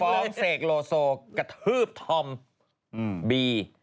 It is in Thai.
ฟ้องเศกโลโซกระทืบธอมบี